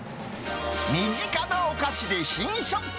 身近なお菓子で新食感！